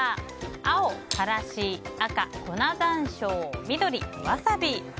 青、からし赤、粉山椒緑、ワサビ。